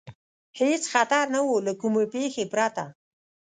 هېڅ خطر نه و، له کومې پېښې پرته.